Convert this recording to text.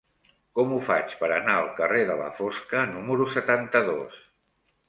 Com ho faig per anar al carrer de la Fosca número setanta-dos?